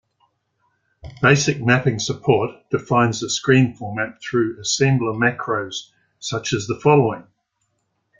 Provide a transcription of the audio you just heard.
Basic Mapping Support defines the screen format through assembler macros such as the following.